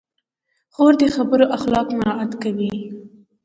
خور د خبرو اخلاق مراعت کوي.